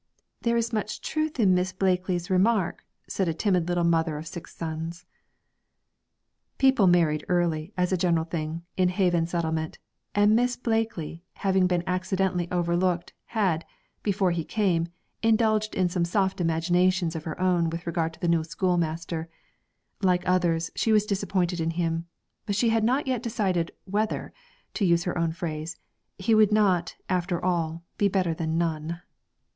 'There is much truth in Miss Blakely's remark,' said a timid little mother of six sons. People married early, as a general thing, in Haven Settlement, and Miss Blakely, having been accidentally overlooked, had, before he came, indulged in some soft imaginations of her own with regard to the new schoolmaster; like others, she was disappointed in him; but she had not yet decided 'whether,' to use her own phrase, 'he would not, after all, be better than none.'